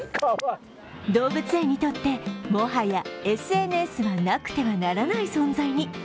動物園にとってもはやＳＮＳはなくてはならない存在に。